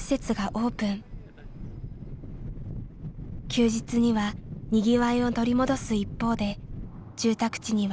休日にはにぎわいを取り戻す一方で住宅地には更地が目立ちます。